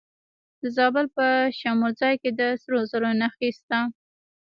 د زابل په شمولزای کې د سرو زرو نښې شته.